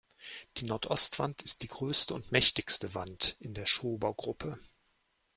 Die Nordostwand ist die größte und mächtigste Wand in der Schobergruppe.